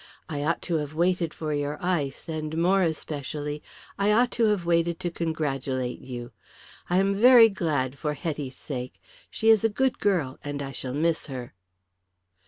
I ought to have waited for your ice, and more especially, I ought to have waited to congratulate you. I am very glad for Hetty's sake. She is a good girl, and I shall miss her."